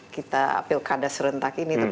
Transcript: kita apil keadaan serentak ini